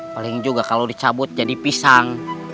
paling juga kalau dicabut jadi pisang